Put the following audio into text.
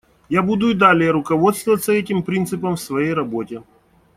Я буду и далее руководствоваться этим принципом в своей работе.